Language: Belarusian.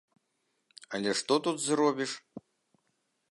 Але што тут зробіш?